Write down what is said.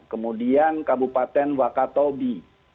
kemudian kabupaten wakatobi